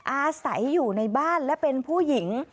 อาศัยอยู่ในบ้านและเป็นผู้หญิง